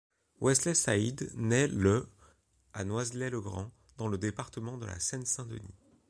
Wesley Saïd naît le à Noisy-le-Grand, dans le département de la Seine-Saint-Denis.